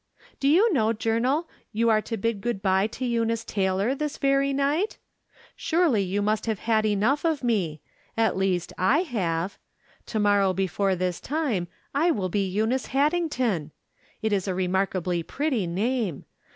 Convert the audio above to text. Do you know, Journal, you are to bid good by to Eunice Taylor this very night? Surely you must have had enough of me ; at least / have. To morrow before this time I will be Eu nice Haddington ! That is a remarkably pretty name.